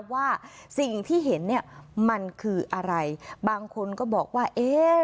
ว่าสิ่งที่เห็นเนี่ยมันคืออะไรบางคนก็บอกว่าเอ๊ะ